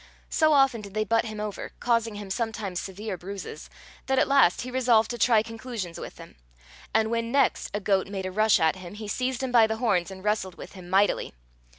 So often did they butt him over, causing him sometimes severe bruises, that at last he resolved to try conclusions with them; and when next a goat made a rush at him, he seized him by the horns and wrestled with him mightily.